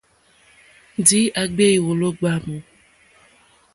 Ndǐ à ɡbě wòló ɡbámù.